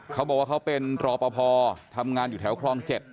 เขาบอกว่าเขาเป็นรอปภทำงานอยู่แถวคลอง๗